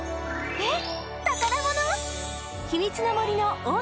えっ！